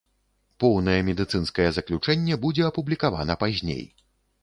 Поўнае медыцынскае заключэнне будзе апублікавана пазней.